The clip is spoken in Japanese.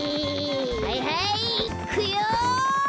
はいはいいっくよ！